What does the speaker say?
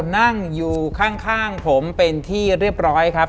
นั่งอยู่ข้างผมเป็นที่เรียบร้อยครับ